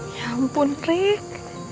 ya ampun rik